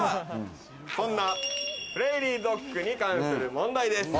そんなプレーリードッグに関する問題です。